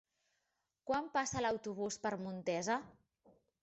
Quan passa l'autobús per Montesa?